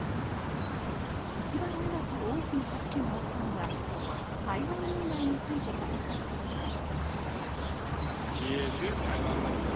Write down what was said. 一番長く大きな拍手が起きたのは台湾問題について語った時でした。